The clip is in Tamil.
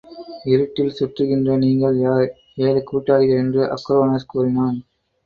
இருட்டில் சுற்றுகின்ற நீங்கள் யார்! ஏழு கூட்டாளிகள் என்று அக்ரோனோஸ் கூறினான்.